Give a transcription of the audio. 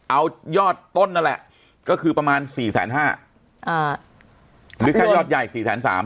เอายอดต้นนั่นแหละก็คือประมาณสี่แสนห้าหรือแค่ยอดใหญ่สี่แสนสาม